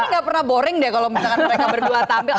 misalkan mereka berdua tampil